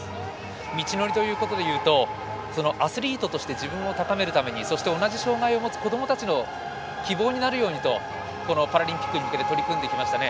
道のりということでいうとアスリートとして自分を高めるためにそして、同じ障がいを持つ子どもたちの希望になるようにとこのパラリンピックに向けて取り組んできましたね。